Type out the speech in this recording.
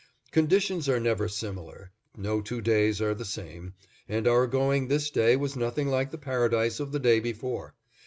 Conditions are never similar, no two days are the same; and our going this day was nothing like the paradise of the day before.